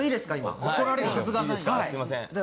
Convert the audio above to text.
すいません。